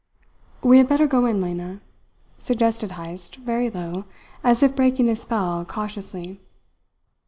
"We had better go in, Lena," suggested Heyst, very low, as if breaking a spell cautiously.